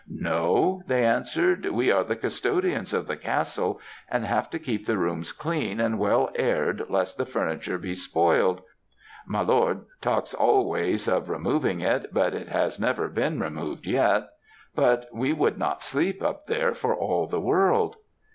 "'No,' they answered. 'We are the custodians of the castle and have to keep the rooms clean and well aired lest the furniture be spoiled my lord talks always of removing it, but it has never been removed yet but we would not sleep up there for all the world.'